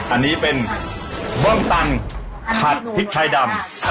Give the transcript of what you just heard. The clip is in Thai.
อันนี้เป็นบ้องตันผัดพริกไทยดำ